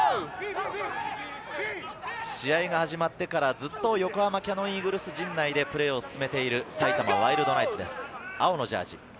試合が始まってから、ずっと横浜キヤノンイーグルス陣内でプレーを進めている埼玉ワイルドナイツです。